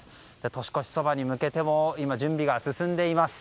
年越しそばに向けても今、準備が進んでいます。